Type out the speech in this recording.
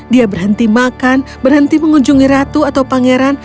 dia berhenti makan berhenti mengunjungi ratu atau pangeran